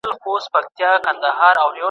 دویني ګروپ یوازې د ضرورت په وخت کې اړین نه دی.